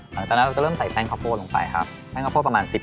หลังจากนั้นเราจะเริ่มใส่แป้งข้าวโพดลงไปครับแป้งข้าวโพดประมาณสิบ